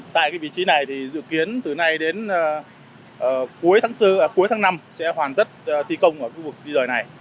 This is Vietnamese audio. tại vị trí này thì dự kiến từ nay đến cuối tháng năm sẽ hoàn tất thi công ở khu vực di rời này